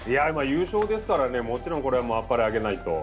優勝ですからね、もちろんこれは、あっぱれあげないと。